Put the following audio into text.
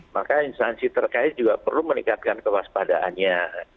maka instansi terkait juga perlu meningkatkan kewaspadaannya